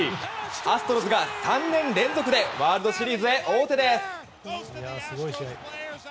アストロズが３年連続でワールドシリーズへ王手です。